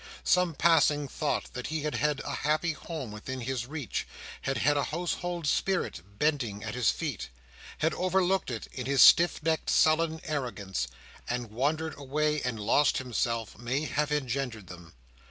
Some passing thought that he had had a happy home within his reach—had had a household spirit bending at his feet—had overlooked it in his stiffnecked sullen arrogance, and wandered away and lost himself, may have engendered them.